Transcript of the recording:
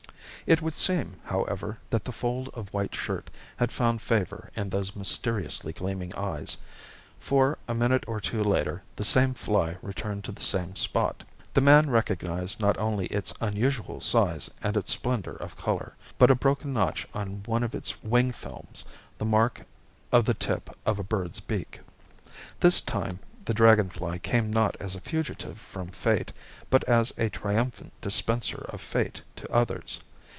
It would seem, however, that the fold of white shirt had found favour in those mysteriously gleaming eyes; for a minute or two later the same fly returned to the same spot. The man recognized not only its unusual size and its splendour of colour, but a broken notch on one of its wing films, the mark of the tip of a bird's beak. This time the dragon fly came not as a fugitive from fate, but as a triumphant dispenser of fate to others.